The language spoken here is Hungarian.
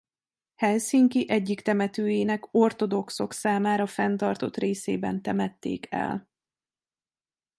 Helsinki egyik temetőjének ortodoxok számára fenntartott részében temették el.